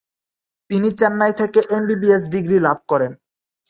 তিনি চেন্নাই থেকে MBBS degree লাভ করেন।